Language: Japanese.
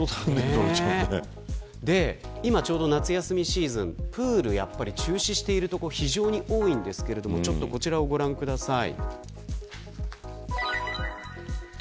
ちょうど夏休みシーズンプール、中止しているところ非常に多いんですがこちらをご覧ください。